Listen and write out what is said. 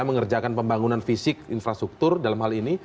mengerjakan pembangunan fisik infrastruktur dalam hal ini